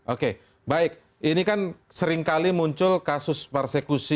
oke baik ini kan seringkali muncul kasus persekusi